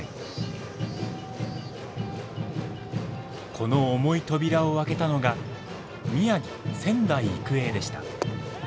この重い扉を開けたのが宮城仙台育英でした。